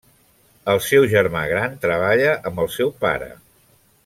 El seu germà gran treballa amb el seu pare.